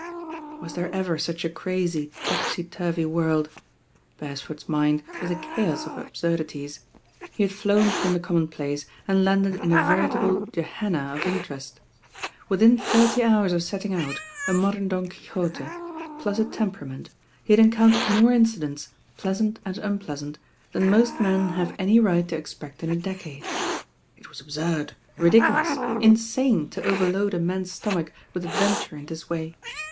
Was there ever such a crazy, topsy turvy world? Beresford s mind was a chaos of absurdities. He had flown from the commonplace, and landed in a veritable Gehenna of interest. Within thirty hours of setting out, a modem Don Quixote, plus a tem perament, he had encountered more incidents, pleasant ana unpleasant, than most men have any nght to expect in a decade. It was absurd, ridicu Iwis, insane to overload a man's stomach with adventure in this way.